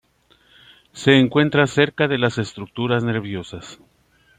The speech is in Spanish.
Se encuentra cerca de las estructuras nerviosas.